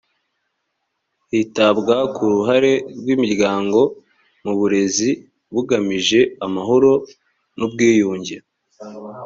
hitabwa ku ruhare rw imiryango mu burezi bugamije amahoro n ubwiyunge